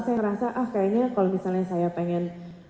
saya ngerasa ah kayaknya kalau misalnya saya pengen